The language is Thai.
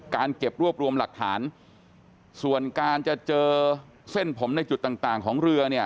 เก็บรวบรวมหลักฐานส่วนการจะเจอเส้นผมในจุดต่างต่างของเรือเนี่ย